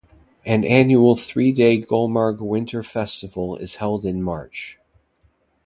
An annual three-day Gulmarg Winter Festival is held in March.